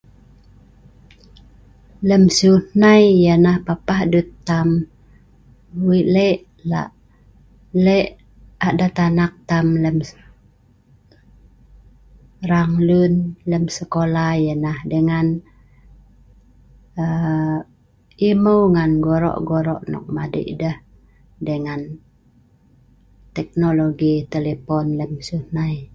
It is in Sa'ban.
lem siu hnai ia nah papah dut tam weik lek lak lek adat anak tam lem rang lun lem sekolah ia nah dengan aa emau ngan goro' goro' nok madik deh dengan teknologi telepon lem siu hnai